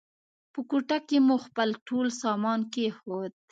په کوټه کې مو خپل ټول سامان کېښود.